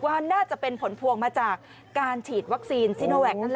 ว่าน่าจะเป็นผลพวงมาจากการฉีดวัคซีนซีโนแวคนั่นแหละ